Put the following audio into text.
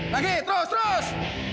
lagi terus terus